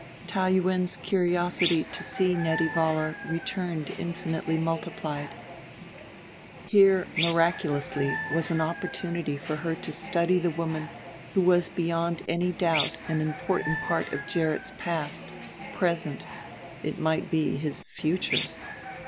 Taou Yuen's curiosity to see Nettie Vollar returned infinitely multiplied; here, miraculously, was an opportunity for her to study the woman who was beyond any doubt an important part of Gerrit's past, present it might be, his future.